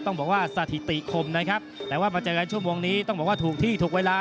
ต้องบอกว่าสถิติคมนะครับแต่ว่ามาเจอกันชั่วโมงนี้ต้องบอกว่าถูกที่ถูกเวลา